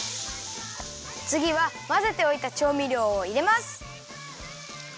つぎはまぜておいたちょうみりょうをいれます。